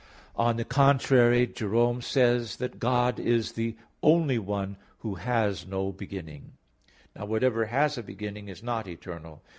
On the contrary, Jerome says (Ep. ad Damasum, xv) that "God is the only one who has no beginning." Now whatever has a beginning, is not eternal.